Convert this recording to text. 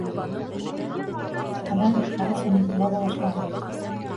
Ана бит, Харис, онотола ла башлаған